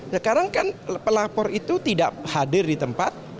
sekarang kan pelapor itu tidak hadir di tempat